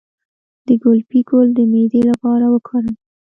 د ګلپي ګل د معدې لپاره وکاروئ